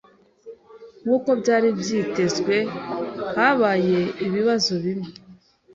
Nkuko byari byitezwe, habaye ibibazo bimwe.